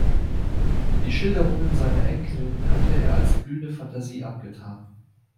Die Schilderungen seiner Enkelin hatte er als blühende Fantasie abgetan.